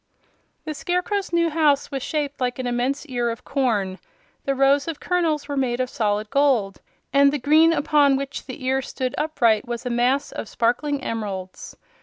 The Scarecrow's new house was shaped like an immense ear of corn. The rows of kernels were made of solid gold, and the green upon which the ear stood upright was a mass of sparkling emeralds.